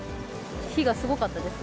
火がすごかったです。